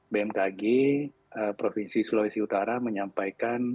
bmkg provinsi sulawesi utara menyampaikan